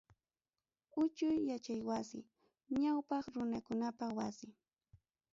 Uchuy yachay wasi, Ñawpaq runakunapa wasi.